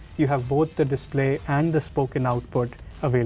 anda memiliki display dan output yang terdapat